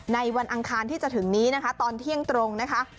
วันอังคารที่จะถึงนี้นะคะตอนเที่ยงตรงนะคะ